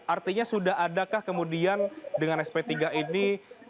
artinya sudah adakah kemudian dengan sp tiga ini